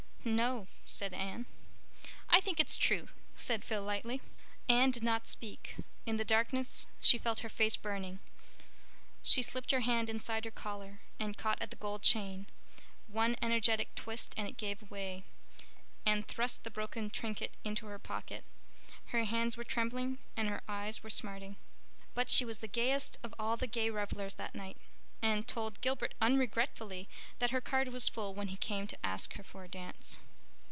"No," said Anne. "I think it's true," said Phil lightly. Anne did not speak. In the darkness she felt her face burning. She slipped her hand inside her collar and caught at the gold chain. One energetic twist and it gave way. Anne thrust the broken trinket into her pocket. Her hands were trembling and her eyes were smarting. But she was the gayest of all the gay revellers that night, and told Gilbert unregretfully that her card was full when he came to ask her for a dance.